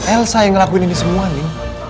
elsa yang ngelakuin ini semua nih